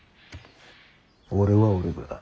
俺は俺だ。